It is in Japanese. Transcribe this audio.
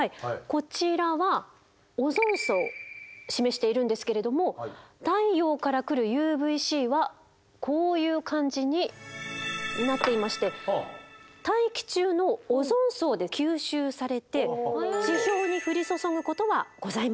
こちらはオゾン層を示しているんですけれども太陽から来るＵＶ−Ｃはこういう感じになっていまして大気中のオゾン層で吸収されて地表に降り注ぐことはございません。